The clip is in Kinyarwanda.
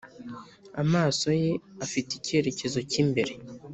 amaso ye afite icyerekezo cy'imbere;